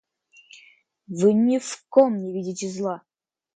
Вы ни в ком не видите зла!